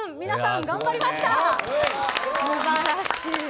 皆さん、頑張りました！